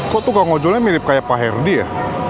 kok tuh ngajulnya mirip kayak pak herdi ya